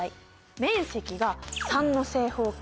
面積が３の正方形。